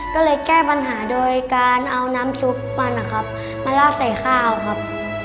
ก็เลยแก้ปัญหาโดยการเอาน้ำซุปมันนะครับมาราดใส่ข้าวครับ